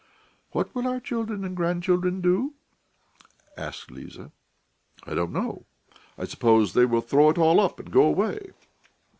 "What will our children and grandchildren do?" asked Liza. "I don't know.... I suppose they will throw it all up and go away."